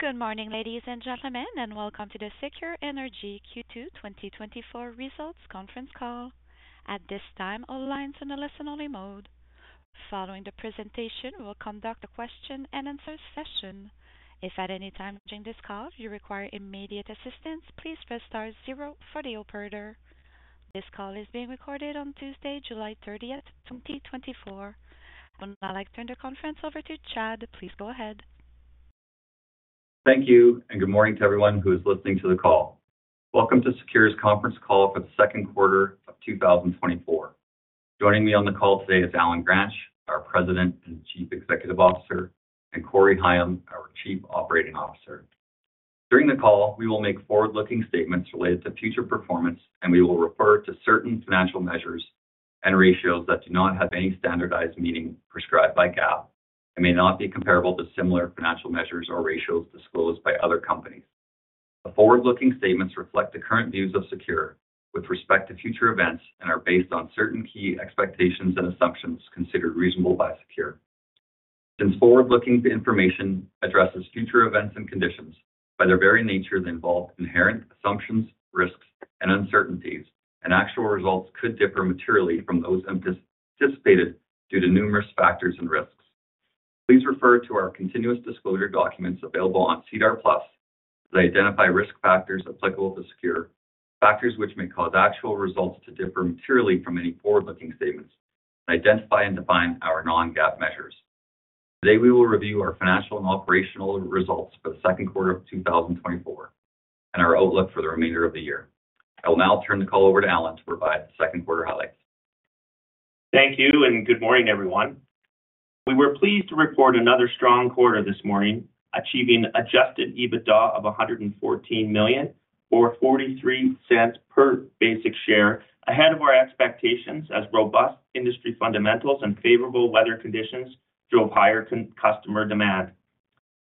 Good morning, ladies and gentlemen, and welcome to the SECURE Energy Q2 2024 Results Conference Call. At this time, all lines in a listen-only mode. Following the presentation, we'll conduct a question-and-answer session. If at any time during this call you require immediate assistance, please press star zero for the operator. This call is being recorded on Tuesday, July 30th, 2024. I would now like to turn the conference over to Chad. Please go ahead. Thank you, and good morning to everyone who is listening to the call. Welcome to SECURE's conference call for the second quarter of 2024. Joining me on the call today is Allen Gransch, our President and Chief Executive Officer, and Corey Higham, our Chief Operating Officer. During the call, we will make forward-looking statements related to future performance, and we will refer to certain financial measures and ratios that do not have any standardized meaning prescribed by GAAP and may not be comparable to similar financial measures or ratios disclosed by other companies. The forward-looking statements reflect the current views of SECURE with respect to future events and are based on certain key expectations and assumptions considered reasonable by SECURE. Since forward-looking information addresses future events and conditions, by their very nature, they involve inherent assumptions, risks, and uncertainties, and actual results could differ materially from those anticipated due to numerous factors and risks. Please refer to our continuous disclosure documents available on SEDAR+ that identify risk factors applicable to SECURE, factors which may cause actual results to differ materially from any forward-looking statements, and identify and define our non-GAAP measures. Today, we will review our financial and operational results for the second quarter of 2024 and our outlook for the remainder of the year. I will now turn the call over to Allen to provide the second quarter highlights. Thank you, and good morning, everyone. We were pleased to report another strong quarter this morning, achieving Adjusted EBITDA of 114 million or 0.43 per basic share, ahead of our expectations as robust industry fundamentals and favorable weather conditions drove higher customer demand.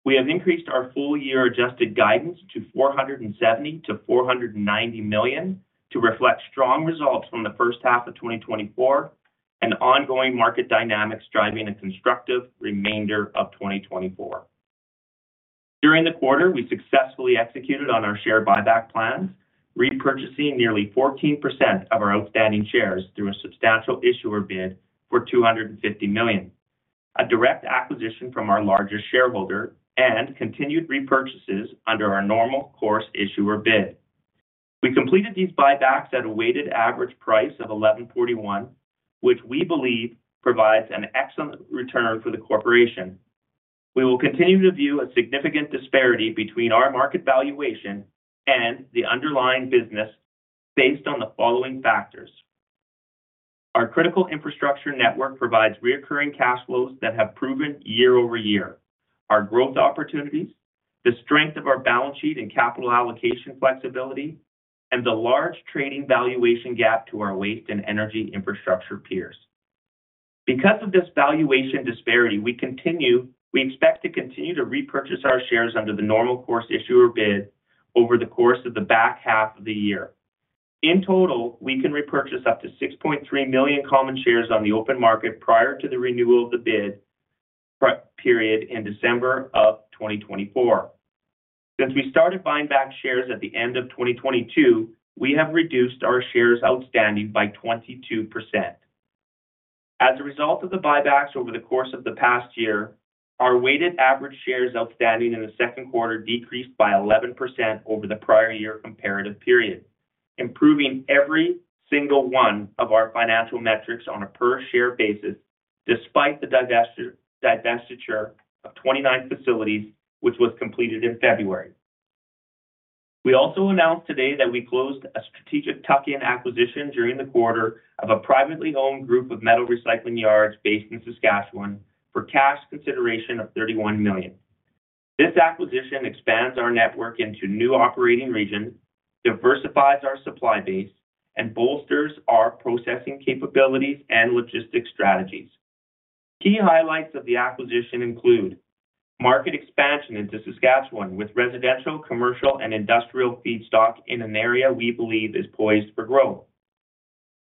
We have increased our full-year adjusted guidance to 470 million-490 million to reflect strong results from the first half of 2024 and ongoing market dynamics driving a constructive remainder of 2024. During the quarter, we successfully executed on our share buyback plans, repurchasing nearly 14% of our outstanding shares through a Substantial Issuer Bid for 250 million, a direct acquisition from our largest shareholder and continued repurchases under our Normal Course Issuer Bid. We completed these buybacks at a weighted average price of 11.41, which we believe provides an excellent return for the corporation. We will continue to view a significant disparity between our market valuation and the underlying business based on the following factors: Our critical infrastructure network provides recurring cash flows that have proven year-over-year, our growth opportunities, the strength of our balance sheet and capital allocation flexibility, and the large trading valuation gap to our waste and energy infrastructure peers. Because of this valuation disparity, we continue, we expect to continue to repurchase our shares under the Normal Course Issuer Bid over the course of the back half of the year. In total, we can repurchase up to 6.3 million common shares on the open market prior to the renewal of the bid prep period in December of 2024. Since we started buying back shares at the end of 2022, we have reduced our shares outstanding by 22%. As a result of the buybacks over the course of the past year, our weighted average shares outstanding in the second quarter decreased by 11% over the prior year comparative period, improving every single one of our financial metrics on a per-share basis, despite the divestiture of 29 facilities, which was completed in February. We also announced today that we closed a strategic tuck-in acquisition during the quarter of a privately owned group of metal recycling yards based in Saskatchewan for cash consideration of 31 million. This acquisition expands our network into new operating regions, diversifies our supply base, and bolsters our processing capabilities and logistics strategies. Key highlights of the acquisition include: Market expansion into Saskatchewan with residential, commercial, and industrial feedstock in an area we believe is poised for growth.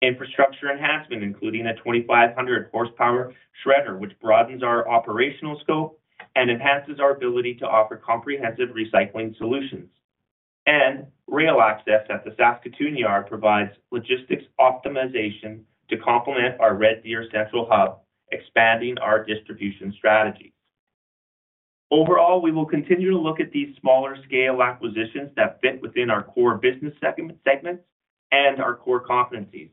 Infrastructure enhancement, including a 2,500-horsepower shredder, which broadens our operational scope and enhances our ability to offer comprehensive recycling solutions. Rail access at the Saskatoon yard provides logistics optimization to complement our Red Deer central hub, expanding our distribution strategies. Overall, we will continue to look at these smaller-scale acquisitions that fit within our core business segment, segments and our core competencies.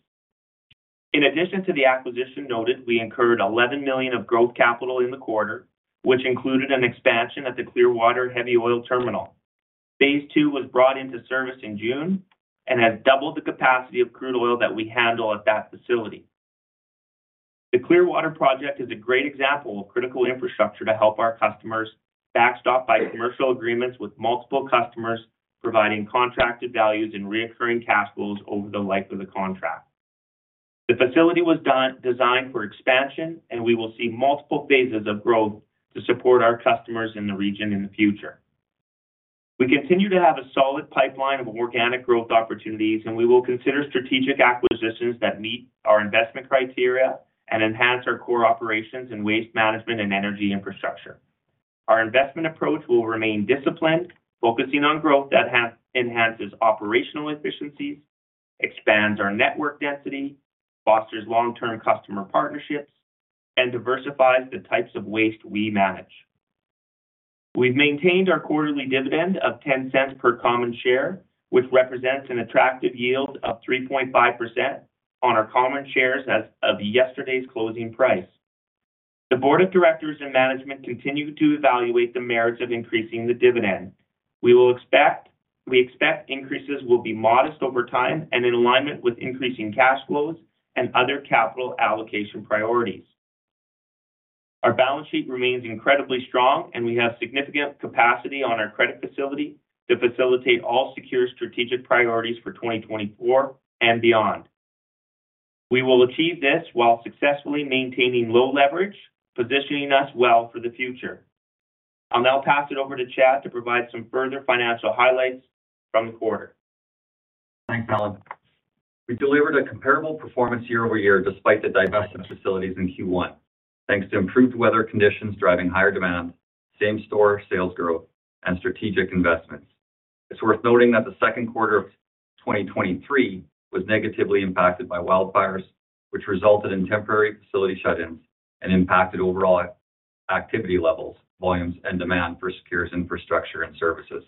In addition to the acquisition noted, we incurred 11 million of growth capital in the quarter, which included an expansion at the Clearwater Heavy Oil Terminal. Phase II was brought into service in June and has doubled the capacity of crude oil that we handle at that facility. The Clearwater project is a great example of critical infrastructure to help our customers, backstopped by commercial agreements with multiple customers, providing contracted values and recurring cash flows over the life of the contract. The facility was designed for expansion, and we will see multiple phases of growth to support our customers in the region in the future. We continue to have a solid pipeline of organic growth opportunities, and we will consider strategic acquisitions that meet our investment criteria and enhance our core operations in waste management and energy infrastructure. Our investment approach will remain disciplined, focusing on growth that enhances operational efficiencies, expands our network density, fosters long-term customer partnerships, and diversifies the types of waste we manage. We've maintained our quarterly dividend of 0.10 per common share, which represents an attractive yield of 3.5% on our common shares as of yesterday's closing price. The board of directors and management continue to evaluate the merits of increasing the dividend. We expect increases will be modest over time and in alignment with increasing cash flows and other capital allocation priorities. Our balance sheet remains incredibly strong, and we have significant capacity on our credit facility to facilitate all SECURE strategic priorities for 2024 and beyond. We will achieve this while successfully maintaining low leverage, positioning us well for the future. I'll now pass it over to Chad to provide some further financial highlights from the quarter. Thanks, Allen. We delivered a comparable performance year-over-year, despite the divested facilities in Q1, thanks to improved weather conditions, driving higher demand, same-store sales growth, and strategic investments. It's worth noting that the second quarter of 2023 was negatively impacted by wildfires, which resulted in temporary facility shut-ins and impacted overall activity levels, volumes, and demand for SECURE's infrastructure and services.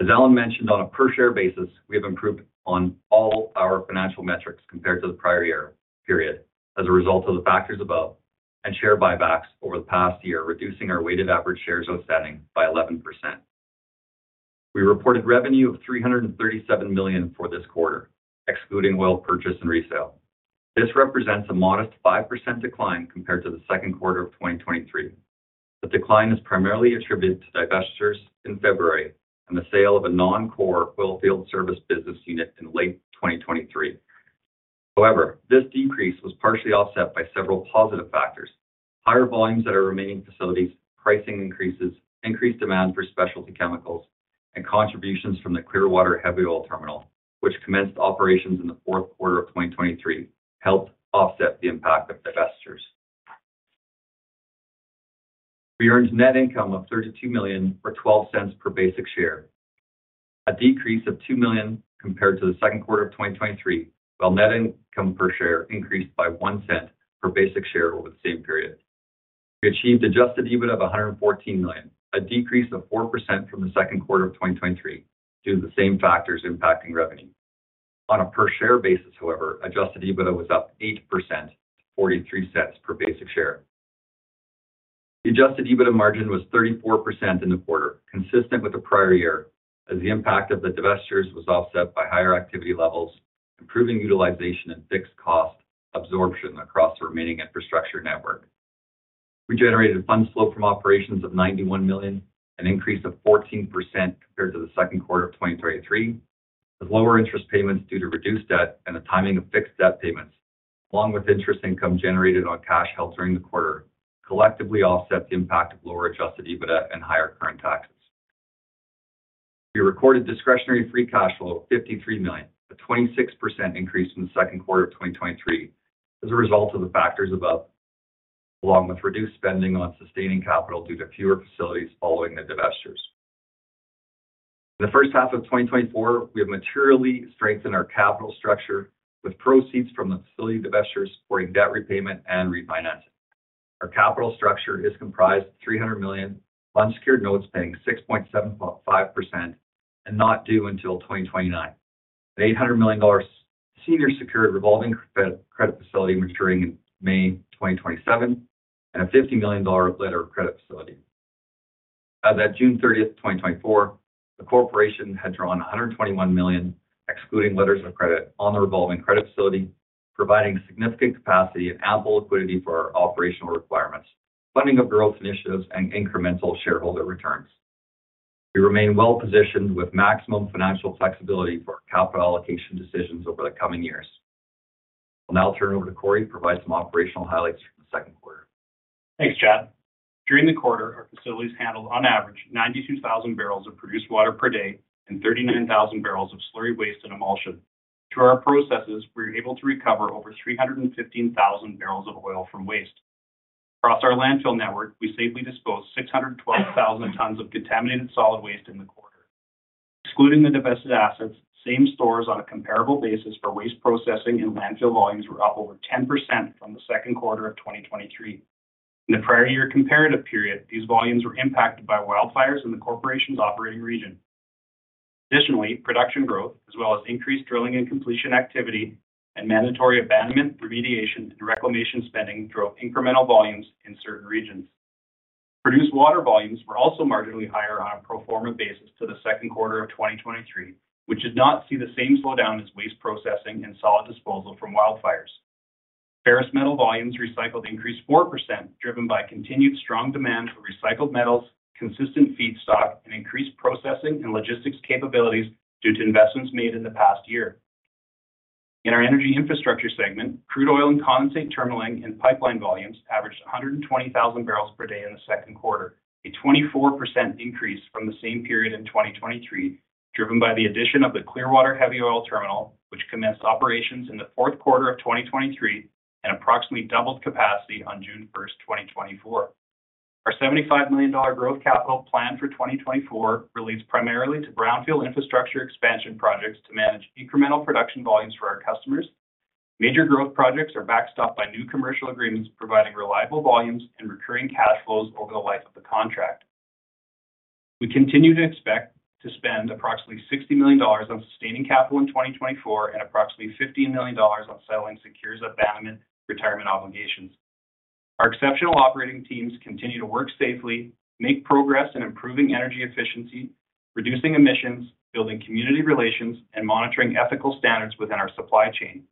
As Allen mentioned, on a per-share basis, we have improved on all our financial metrics compared to the prior year period as a result of the factors above and share buybacks over the past year, reducing our weighted average shares outstanding by 11%. We reported revenue of 337 million for this quarter, excluding oil purchase and resale. This represents a modest 5% decline compared to the second quarter of 2023. The decline is primarily attributed to divestitures in February and the sale of a non-core oilfield service business unit in late 2023. However, this decrease was partially offset by several positive factors. Higher volumes at our remaining facilities, pricing increases, increased demand for specialty chemicals, and contributions from the Clearwater Heavy Oil Terminal, which commenced operations in the fourth quarter of 2023, helped offset the impact of divestitures. We earned net income of 32 million, or 0.12 per basic share, a decrease of 2 million compared to the second quarter of 2023, while net income per share increased by 0.01 per basic share over the same period. We achieved Adjusted EBITDA of 114 million, a decrease of 4% from the second quarter of 2023, due to the same factors impacting revenue. On a per-share basis, however, Adjusted EBITDA was up 8% to 0.43 per basic share. The Adjusted EBITDA margin was 34% in the quarter, consistent with the prior year, as the impact of the divestitures was offset by higher activity levels, improving utilization and fixed cost absorption across the remaining infrastructure network. We generated Funds Flow from Operations of 91 million, an increase of 14% compared to the second quarter of 2023, with lower interest payments due to reduced debt and the timing of fixed debt payments, along with interest income generated on cash held during the quarter, collectively offset the impact of lower Adjusted EBITDA and higher current taxes. We recorded Discretionary Free Cash Flow of 53 million, a 26% increase from the second quarter of 2023, as a result of the factors above, along with reduced spending on sustaining capital due to fewer facilities following the divestitures. In the first half of 2024, we have materially strengthened our capital structure, with proceeds from the facility divestitures supporting debt repayment and refinancing. Our capital structure is comprised of 300 million unsecured notes, paying 6.75% and not due until 2029, 800 million dollars senior secured revolving credit facility maturing in May 2027, and a 50 million dollar letter of credit facility. As at June 30, 2024, the corporation had drawn 121 million, excluding letters of credit, on the revolving credit facility, providing significant capacity and ample liquidity for our operational requirements, funding of growth initiatives, and incremental shareholder returns. We remain well-positioned with maximum financial flexibility for our capital allocation decisions over the coming years. I'll now turn over to Corey to provide some operational highlights for the second quarter. Thanks, Chad. During the quarter, our facilities handled on average 92,000 barrels of produced water per day and 39,000 barrels of slurry waste and emulsion. Through our processes, we were able to recover over 315,000 barrels of oil from waste. Across our landfill network, we safely disposed 612,000 tons of contaminated solid waste in the quarter. Excluding the divested assets, same-store on a comparable basis for waste processing and landfill volumes were up over 10% from the second quarter of 2023. In the prior year comparative period, these volumes were impacted by wildfires in the corporation's operating region. Additionally, production growth, as well as increased drilling and completion activity and mandatory abandonment, remediation, and reclamation spending, drove incremental volumes in certain regions. Produced water volumes were also marginally higher on a pro forma basis to the second quarter of 2023, which did not see the same slowdown as waste processing and solid disposal from wildfires. Ferrous metal volumes recycled increased 4%, driven by continued strong demand for recycled metals, consistent feedstock, and increased processing and logistics capabilities due to investments made in the past year. In our energy infrastructure segment, crude oil and condensate terminalling and pipeline volumes averaged 120,000 barrels per day in the second quarter, a 24% increase from the same period in 2023, driven by the addition of the Clearwater Heavy Oil Terminal, which commenced operations in the fourth quarter of 2023 and approximately doubled capacity on June 1, 2024. Our 75 million dollar growth capital plan for 2024 relates primarily to brownfield infrastructure expansion projects to manage incremental production volumes for our customers. Major growth projects are backstopped by new commercial agreements, providing reliable volumes and recurring cash flows over the life of the contract. We continue to expect to spend approximately 60 million dollars on sustaining capital in 2024 and approximately 15 million dollars on settling SECURE's abandonment, retirement obligations. Our exceptional operating teams continue to work safely, make progress in improving energy efficiency, reducing emissions, building community relations, and monitoring ethical standards within our supply chain.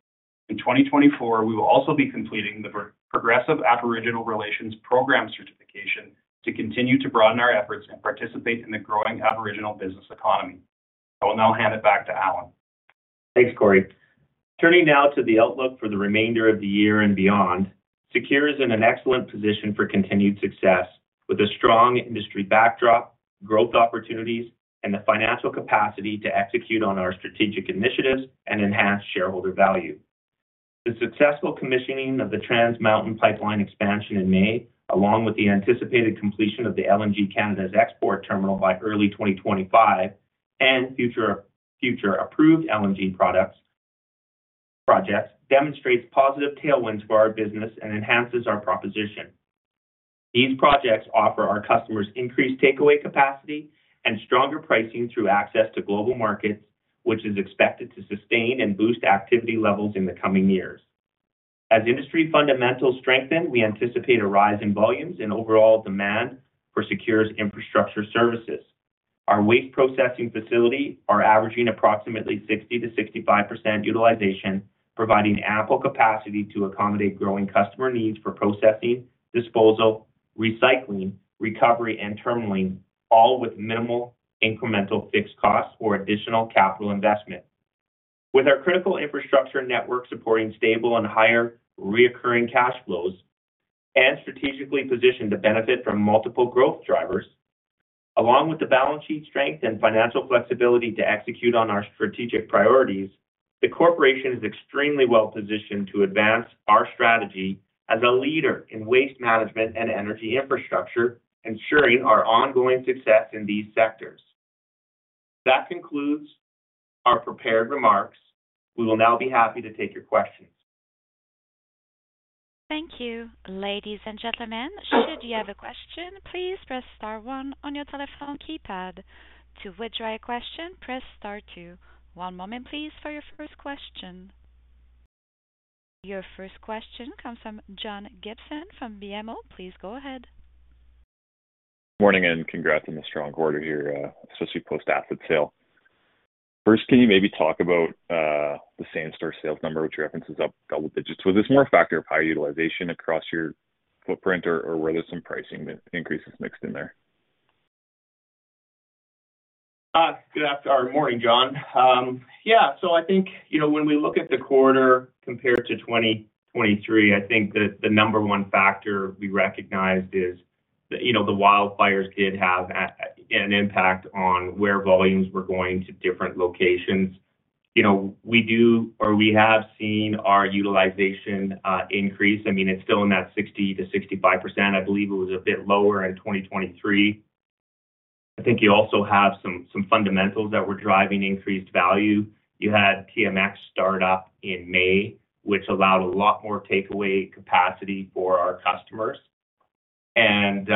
In 2024, we will also be completing the Progressive Aboriginal Relations Program certification to continue to broaden our efforts and participate in the growing Aboriginal business economy. I will now hand it back to Allen. Thanks, Corey. Turning now to the outlook for the remainder of the year and beyond, SECURE is in an excellent position for continued success, with a strong industry backdrop, growth opportunities, and the financial capacity to execute on our strategic initiatives and enhance shareholder value. The successful commissioning of the Trans Mountain Pipeline expansion in May, along with the anticipated completion of LNG Canada’s export terminal by early 2025 and future approved LNG projects, demonstrates positive tailwinds for our business and enhances our proposition. These projects offer our customers increased takeaway capacity and stronger pricing through access to global markets, which is expected to sustain and boost activity levels in the coming years. As industry fundamentals strengthen, we anticipate a rise in volumes and overall demand for SECURE’s infrastructure services. Our waste processing facilities are averaging approximately 60%-65% utilization, providing ample capacity to accommodate growing customer needs for processing, disposal, recycling, recovery, and terminalling, all with minimal incremental fixed costs or additional capital investment. With our critical infrastructure network supporting stable and higher recurring cash flows and strategically positioned to benefit from multiple growth drivers, along with the balance sheet strength and financial flexibility to execute on our strategic priorities, the corporation is extremely well-positioned to advance our strategy as a leader in waste management and energy infrastructure, ensuring our ongoing success in these sectors. That concludes our prepared remarks. We will now be happy to take your questions. Thank you. Ladies and gentlemen, should you have a question, please press star one on your telephone keypad. To withdraw your question, press star two. One moment, please, for your first question. Your first question comes from John Gibson from BMO. Please go ahead. Morning, and congrats on the strong quarter here, especially post-asset sale. First, can you maybe talk about the same-store sales number, which references up double digits? Was this more a factor of high utilization across your footprint or were there some pricing increases mixed in there? Good morning, John. Yeah, so I think, you know, when we look at the quarter compared to 2023, I think that the number one factor we recognized is that, you know, the wildfires did have an impact on where volumes were going to different locations. You know, we have seen our utilization increase. I mean, it's still in that 60%-65%. I believe it was a bit lower in 2023. I think you also have some fundamentals that were driving increased value. You had TMX start up in May, which allowed a lot more takeaway capacity for our customers. And,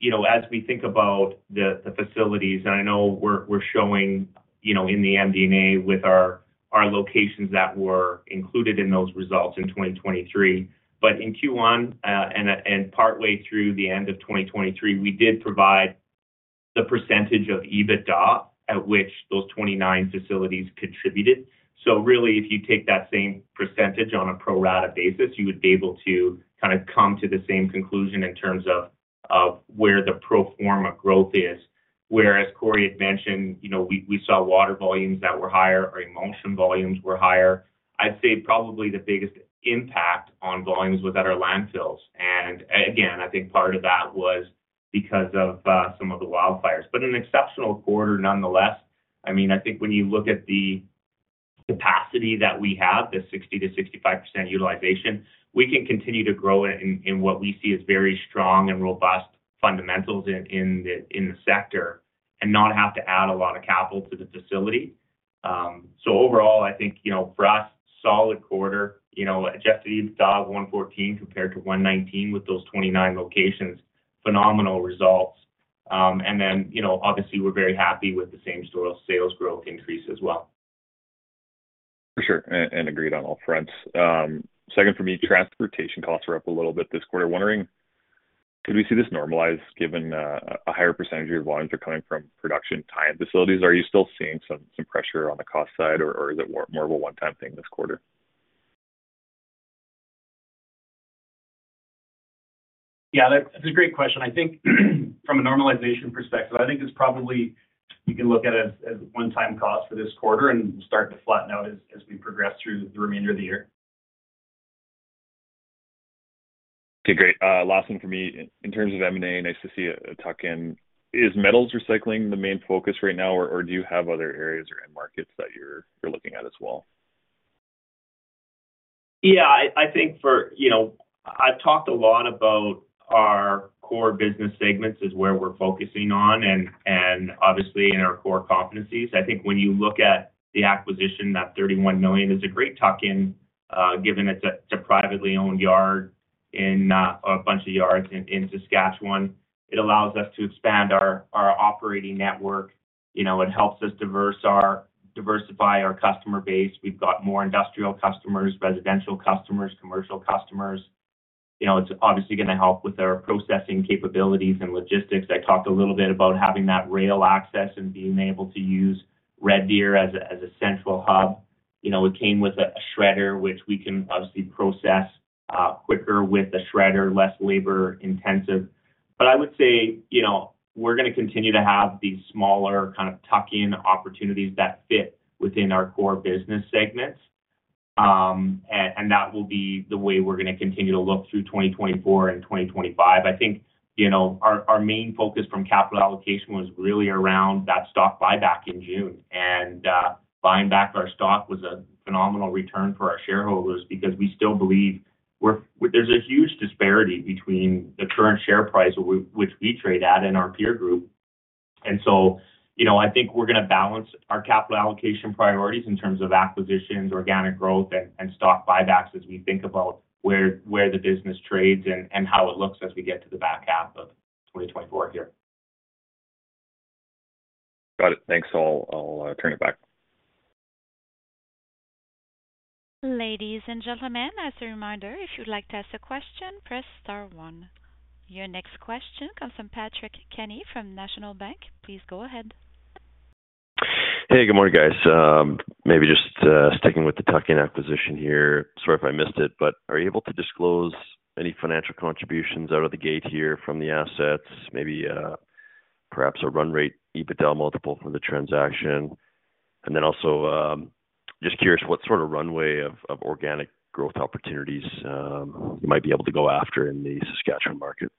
you know, as we think about the facilities, and I know we're showing, you know, in the MD&A with our locations that were included in those results in 2023. But in Q1 and partway through the end of 2023, we did provide the percentage of EBITDA at which those 29 facilities contributed. So really, if you take that same percentage on a pro rata basis, you would be able to kind of come to the same conclusion in terms of where the pro forma growth is. Whereas Corey had mentioned, you know, we saw water volumes that were higher, or emulsion volumes were higher. I'd say probably the biggest impact on volumes was at our landfills, and again, I think part of that was because of some of the wildfires, but an exceptional quarter nonetheless. I mean, I think when you look at the capacity that we have, the 60%-65% utilization, we can continue to grow in what we see as very strong and robust fundamentals in the sector and not have to add a lot of capital to the facility. So overall, I think, you know, for us, solid quarter, you know, Adjusted EBITDA 114 compared to 119, with those 29 locations, phenomenal results. And then, you know, obviously, we're very happy with the same-store sales growth increase as well. For sure, and agreed on all fronts. Second for me, transportation costs are up a little bit this quarter. Wondering, could we see this normalize, given a higher percentage of your volumes are coming from production tie-in facilities? Are you still seeing some pressure on the cost side, or is it more of a one-time thing this quarter? Yeah, that's a great question. I think from a normalization perspective, I think it's probably, you can look at it as, as one-time cost for this quarter and start to flatten out as, as we progress through the remainder of the year. Okay, great. Last one for me. In terms of M&A, nice to see a tuck-in. Is metals recycling the main focus right now, or, or do you have other areas or end markets that you're, you're looking at as well? Yeah, I think for, you know, I've talked a lot about our core business segments is where we're focusing on and, and obviously, in our core competencies. I think when you look at the acquisition, that 31 million is a great tuck-in, given it's a, it's a privately owned yard in, a bunch of yards in, in Saskatchewan. It allows us to expand our, our operating network. You know, it helps us diversify our customer base. We've got more industrial customers, residential customers, commercial customers. You know, it's obviously gonna help with our processing capabilities and logistics. I talked a little bit about having that rail access and being able to use Red Deer as a central hub. You know, it came with a shredder, which we can obviously process quicker with a shredder, less labor-intensive. But I would say, you know, we're gonna continue to have these smaller kind of tuck-in opportunities that fit within our core business segments. And that will be the way we're gonna continue to look through 2024 and 2025. I think, you know, our main focus from capital allocation was really around that stock buyback in June, and buying back our stock was a phenomenal return for our shareholders because we still believe we're, there's a huge disparity between the current share price, which we trade at in our peer group. And so, you know, I think we're gonna balance our capital allocation priorities in terms of acquisitions, organic growth, and stock buybacks, as we think about where the business trades and how it looks as we get to the back half of 2024 here. Got it. Thanks. I'll turn it back. Ladies and gentlemen, as a reminder, if you'd like to ask a question, press star one. Your next question comes from Patrick Kenny from National Bank. Please go ahead. Hey, good morning, guys. Maybe just sticking with the tuck-in acquisition here. Sorry if I missed it, but are you able to disclose any financial contributions out of the gate here from the assets? Maybe, perhaps a run rate, EBITDA multiple from the transaction. And then also, just curious, what sort of runway of organic growth opportunities you might be able to go after in the Saskatchewan market?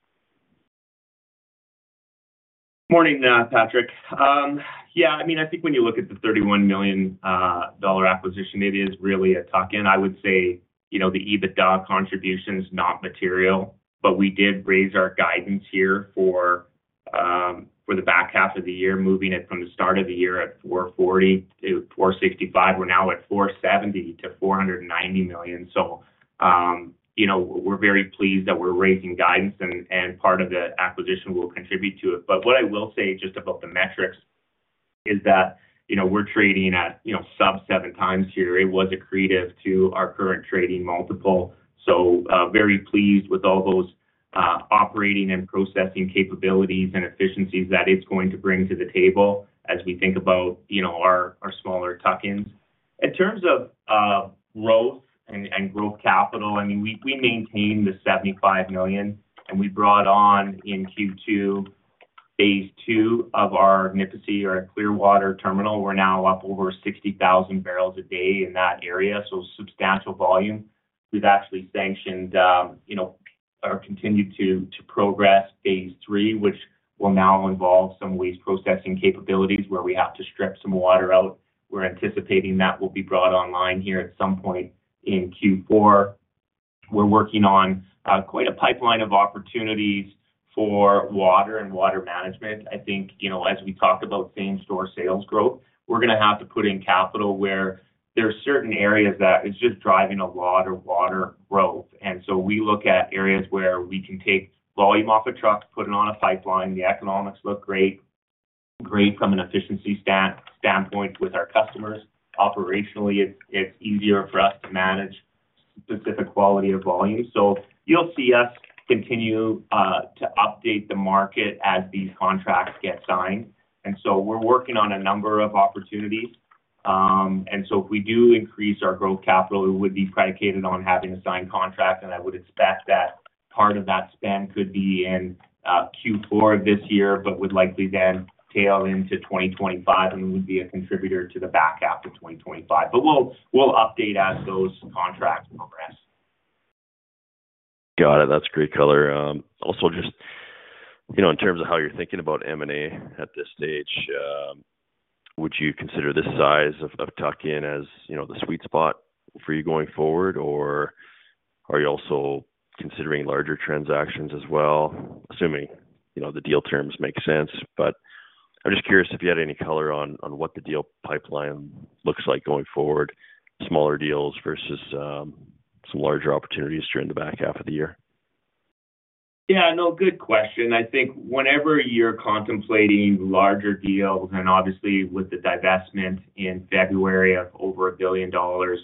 Morning, Patrick. Yeah, I mean, I think when you look at the 31 million dollar acquisition, it is really a tuck-in. I would say, you know, the EBITDA contribution is not material, but we did raise our guidance here for the back half of the year, moving it from the start of the year at 440 million-465 million. We're now at 470 million-490 million. So, you know, we're very pleased that we're raising guidance and part of the acquisition will contribute to it. But what I will say just about the metrics is that, you know, we're trading at, you know, sub-7x here. It was accretive to our current trading multiple. So, very pleased with all those operating and processing capabilities and efficiencies that it's going to bring to the table as we think about, you know, our smaller tuck-ins. In terms of growth and growth capital, I mean, we maintained the 75 million, and we brought on in Q2, phase II of our Nipisi or our Clearwater terminal. We're now up over 60,000 barrels a day in that area, so substantial volume. We've actually sanctioned, you know, or continued to progress phase III, which will now involve some waste processing capabilities where we have to strip some water out. We're anticipating that will be brought online here at some point in Q4. We're working on quite a pipeline of opportunities for water and water management. I think, you know, as we talk about same-store sales growth, we're gonna have to put in capital where there are certain areas that it's just driving a lot of water growth. And so we look at areas where we can take volume off a truck, put it on a pipeline. The economics look great, great from an efficiency standpoint with our customers. Operationally, it's easier for us to manage specific quality of volume. So you'll see us continue to update the market as these contracts get signed. And so we're working on a number of opportunities. And so if we do increase our growth capital, it would be predicated on having a signed contract, and I would expect that part of that spend could be in Q4 of this year, but would likely then tail into 2025 and would be a contributor to the back half of 2025. But we'll, we'll update as those contracts progress. Got it. That's great color. Also, just, you know, in terms of how you're thinking about M&A at this stage, would you consider this size of tuck-in as, you know, the sweet spot for you going forward, or are you also considering larger transactions as well? Assuming, you know, the deal terms make sense. But I'm just curious if you had any color on what the deal pipeline looks like going forward, smaller deals versus some larger opportunities during the back half of the year. Yeah, no, good question. I think whenever you're contemplating larger deals, and obviously with the divestment in February of over 1 billion dollars,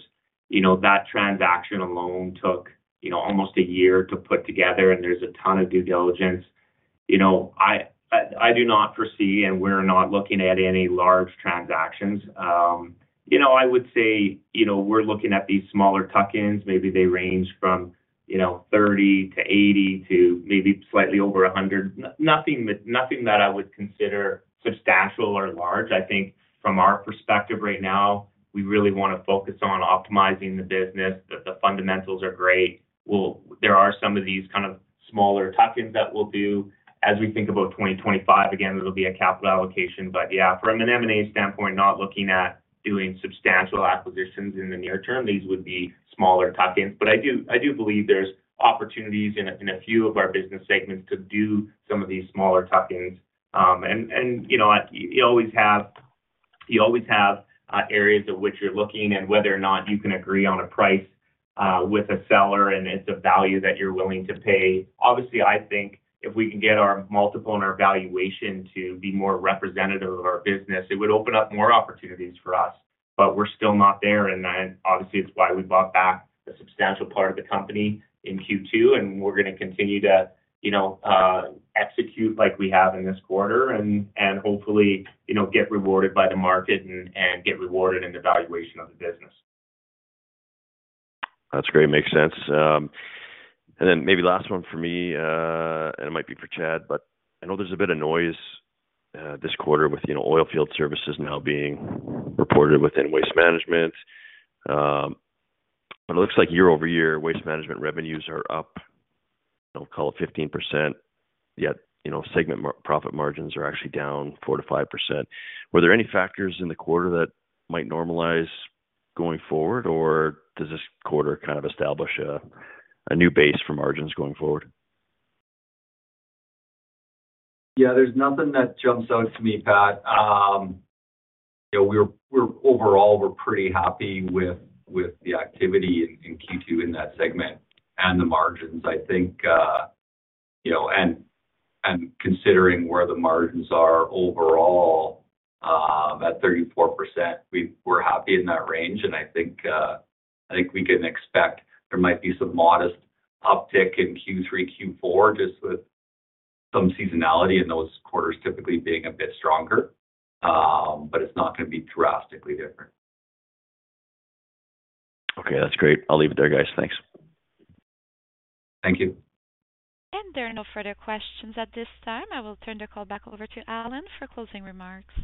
you know, that transaction alone took, you know, almost a year to put together, and there's a ton of due diligence. You know, I do not foresee, and we're not looking at any large transactions. You know, I would say, you know, we're looking at these smaller tuck-ins. Maybe they range from, you know, 30 million-80 million to maybe slightly over 100 million. Nothing that I would consider substantial or large. I think from our perspective right now, we really wanna focus on optimizing the business. The fundamentals are great. Well, there are some of these kind of smaller tuck-ins that we'll do. As we think about 2025, again, it'll be a capital allocation, but yeah, from an M&A standpoint, not looking at doing substantial acquisitions in the near term. These would be smaller tuck-ins. But I do, I do believe there's opportunities in a, in a few of our business segments to do some of these smaller tuck-ins. And, and, you know, you always have, you always have areas of which you're looking and whether or not you can agree on a price with a seller, and it's a value that you're willing to pay. Obviously, I think if we can get our multiple and our valuation to be more representative of our business, it would open up more opportunities for us. But we're still not there, and then, obviously, it's why we bought back a substantial part of the company in Q2, and we're gonna continue to, you know, execute like we have in this quarter, and hopefully, you know, get rewarded by the market and get rewarded in the valuation of the business. That's great. Makes sense. And then maybe last one for me, and it might be for Chad, but I know there's a bit of noise, this quarter with, you know, oilfield services now being reported within waste management. But it looks like year-over-year, waste management revenues are up, I'll call it 15%, yet, you know, segment profit margins are actually down 4%-5%. Were there any factors in the quarter that might normalize going forward, or does this quarter kind of establish a new base for margins going forward? Yeah, there's nothing that jumps out to me, Pat. You know, we're, we're overall, we're pretty happy with the activity in Q2 in that segment and the margins. I think, you know, and considering where the margins are overall at 34%, we're happy in that range, and I think we can expect there might be some modest uptick in Q3, Q4, just with some seasonality in those quarters typically being a bit stronger. But it's not gonna be drastically different. Okay, that's great. I'll leave it there, guys. Thanks. Thank you. There are no further questions at this time. I will turn the call back over to Alan for closing remarks.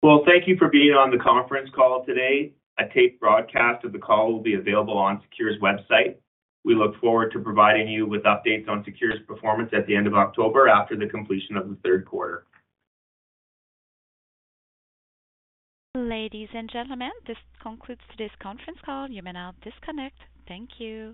Well, thank you for being on the conference call today. A taped broadcast of the call will be available on SECURE's website. We look forward to providing you with updates on SECURE's performance at the end of October after the completion of the third quarter. Ladies and gentlemen, this concludes today's conference call. You may now disconnect. Thank you.